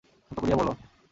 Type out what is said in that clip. সত্য করিয়া বলো।